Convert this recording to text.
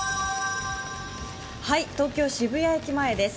東京・渋谷駅前です。